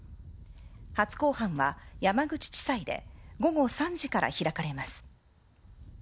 初公判は、山口地裁で午後３時から開かれます。